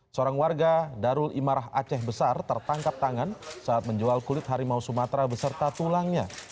seorang warga darul imarah aceh besar tertangkap tangan saat menjual kulit harimau sumatera beserta tulangnya